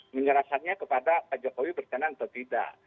menyerahkannya kepada pak jokowi berencana atau tidak